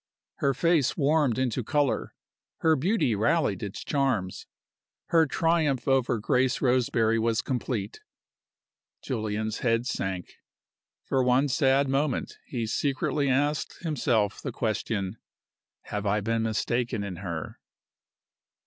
Her face w armed into color; her beauty rallied its charms. Her triumph over Grace Roseberry was complete! Julian's head sank. For one sad moment he secretly asked himself the question: "Have I been mistaken in her?"